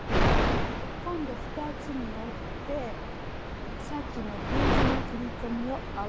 今度２つに折ってさっきのＶ字の切り込みを合わせてしっかり。